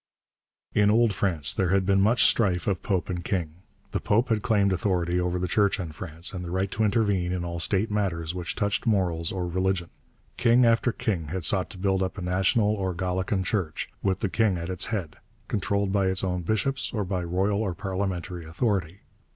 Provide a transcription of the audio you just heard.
In Old France there had been much strife of Pope and King. The Pope had claimed authority over the Church in France, and the right to intervene in all state matters which touched morals or religion. King after king had sought to build up a national or Gallican Church, with the king at its head, controlled by its own bishops or by royal or parliamentary authority.